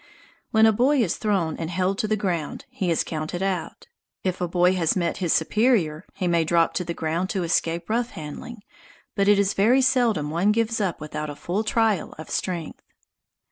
When a boy is thrown and held to the ground, he is counted out. If a boy has met his superior, he may drop to the ground to escape rough handling, but it is very seldom one gives up without a full trial of strength.